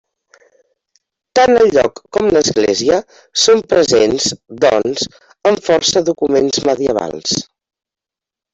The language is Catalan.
Tant el lloc com l'església són presents, doncs, en força documents medievals.